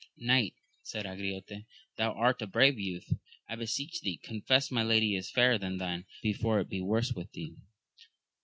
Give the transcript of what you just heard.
Knight, said Angriote, thou art a brave youth ; I beseech thee con fess my lady is fairer than thine, before it be worse with thee.